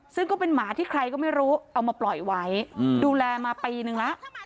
ซึ่งก็เป็นหมาที่ใครก็ไม่รู้เอามาปล่อยไว้ดูแลมาปีนึงแล้ว